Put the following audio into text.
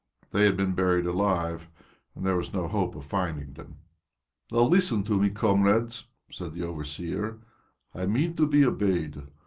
They had been buried alive and there was no hope of finding them. "Now, listen to me, comrades," said the overseer. "I mean to be obeyed.